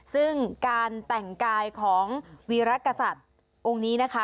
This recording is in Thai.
ซึ่งการแต่งกายของวีรกษัตริย์องค์นี้นะคะ